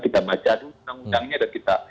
kita baca dulu undang undangnya dan kita